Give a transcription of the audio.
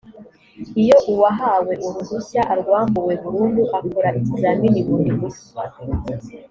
iyo uwahawe uruhushya arwambuwe burundu akora ikizamini bundi bushya